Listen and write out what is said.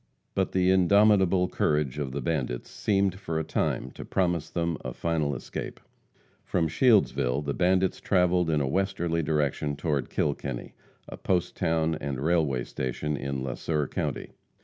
But the indomitable courage of the bandits seemed for a time to promise them a final escape. From Shieldsville the bandits travelled in a westerly direction toward Kilkenny, a post town and railway station in Le Sueur county.